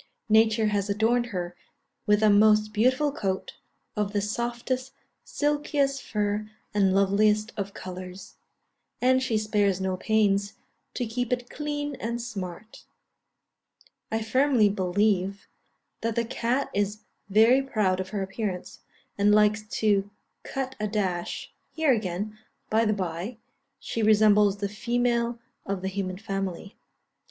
Nature has adorned her with a most beautiful coat, of the softest, silkiest fur and loveliest of colours; and she spares no pains to keep it clean and smart. I firmly believe that the cat is very proud of her appearance, and likes to cut a dash here again, by the bye, she resembles the female of the human family.